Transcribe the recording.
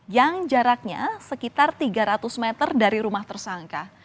yang jaraknya sekitar tiga ratus meter dari rumah tersangka